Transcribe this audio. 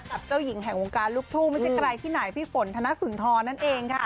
กับเจ้าหญิงแห่งวงการลูกทุ่งไม่ใช่ใครที่ไหนพี่ฝนธนสุนทรนั่นเองค่ะ